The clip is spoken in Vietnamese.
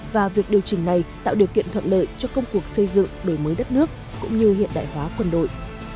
và việc điều chỉnh này tạo điều kiện thuận lợi cho công cuộc xây dựng đổi mới đất nước cũng như hiện đại hóa quân đội